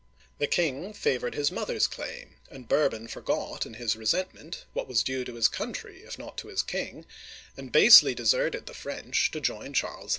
The king favored his mother's claim, and Bourbon for got, in his resentment, what was due to his country, if not to his king, and basely deserted the French to join Charles V.